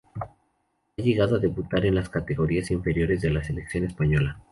Ha llegado a debutar en las categorías inferiores de la selección española.